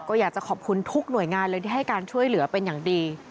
ก็อยากจะขอบคุณทุกหน่วยงานเลยที่ให้การช่วยเหลือเป็นอย่างดี